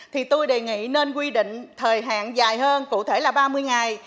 thì tôi đề nghị nên quy định thời hạn dài hơn cụ thể là ba mươi ngày